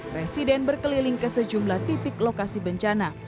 presiden berkeliling ke sejumlah titik lokasi bencana